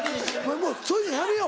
もうそういうのやめよう。